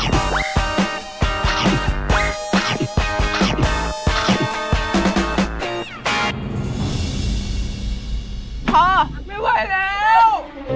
พอไม่ไหวแล้ว